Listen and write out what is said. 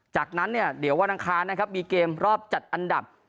จากนั้นเนี่ยเดี๋ยววันอังคารนะครับมีเกมรอบจัดอันดับ